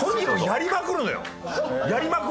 やりまくるの。